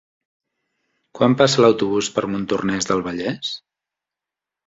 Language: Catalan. Quan passa l'autobús per Montornès del Vallès?